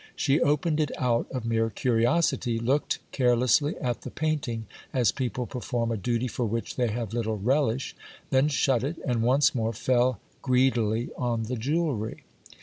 She opened it out of mere curiosity, looked carelessly at the painting as people per form a duty for which they have little relish, then shut it, and once more fell greedily on the jewellery.